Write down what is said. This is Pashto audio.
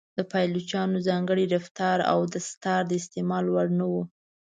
د پایلوچانو ځانګړی رفتار او دستار د استعمال وړ نه و.